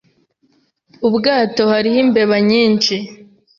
Ubwato hariho imbeba nyinshi.